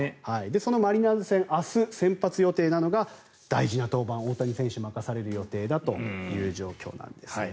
そのマリナーズ戦明日先発予定なのが大事な登板、大谷選手が任される予定だということです。